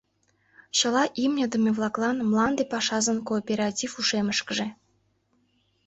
Чыла имньыдыме-влаклан мланде пашазын кооператив ушемышкыже